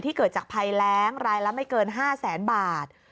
เกิดจากภัยแรงรายละไม่เกิน๕แสนบาท